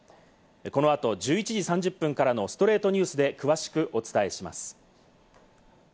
この後１１時３０分からの『ストレイトニュース』で詳しくお伝えします。